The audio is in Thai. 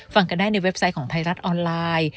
ฟังกันได้ในเว็บไซต์ของไทยรัฐออนไลน์